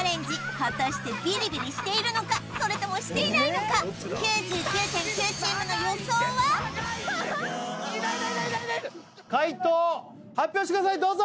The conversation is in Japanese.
果たしてビリビリしているのかそれともしていないのか解答発表してくださいどうぞ！